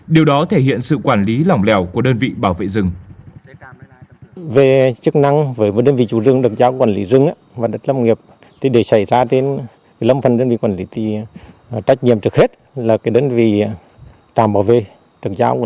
điều đó thể hiện sự quản lý lỏng lẻo của đơn vị bảo vệ rừng